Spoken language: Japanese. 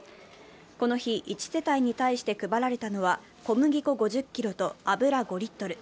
この日、１世帯に対して配られたのは小麦粉５０キロと油５リットル。